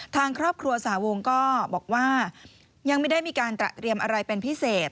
ทางครอบครัวสาวงก็บอกว่ายังไม่ได้มีการตระเตรียมอะไรเป็นพิเศษ